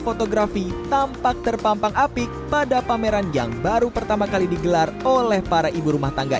fotografi tampak terpampang apik pada pameran yang baru pertama kali digelar oleh para ibu rumah tangga